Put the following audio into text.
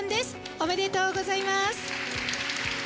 おめでとうございます。